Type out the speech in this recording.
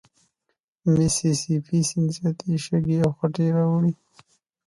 میسي سي پي سیند زیاتي شګې او خټې راوړي.